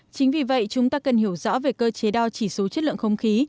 chính vì vậy chúng ta cần hiểu rõ về cơ chế đo chỉ số chất lượng không khí